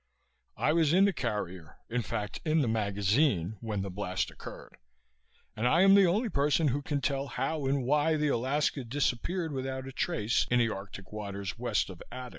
I was in the carrier, in fact in the magazine, when the blast occurred and I am the only person who can tell how and why the Alaska disappeared without a trace in the Arctic waters west of Adak.